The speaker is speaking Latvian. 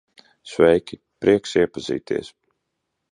Sveiki, prieks iepazīties.